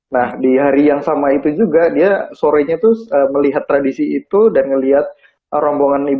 nah di hari yang sama itu juga dia sorenya tuh melihat tradisi itu dan melihat rombongan ibu